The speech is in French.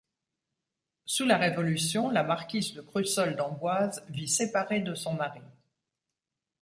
Sous la Révolution, la marquise de Crussol d'Amboise vie séparée de son mari.